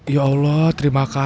yaudah deh pak